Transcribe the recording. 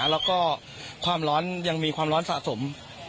แล้วก็ความร้อนยังมีความร้อนสะสม